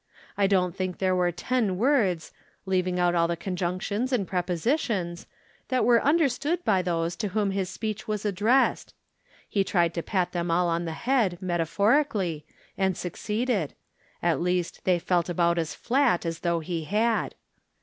I don't think there were ten words, leaving out the conjunc tions and prepositions, that were understood by those to whom his speech was addressed. He tried to pat them all on the head, metaphorically, and suc ceeded ; at least they felt about as flat as though he had.